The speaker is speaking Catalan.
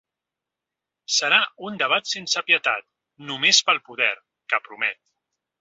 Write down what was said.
Serà un debat sense pietat, només pel poder, que promet.